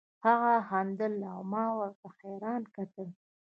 هغه خندل او ما ورته حيران کتل.